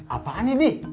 apaan ini dik